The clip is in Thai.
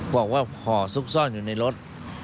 บอกว่าห่อซุกซ่อนอยู่ในรถ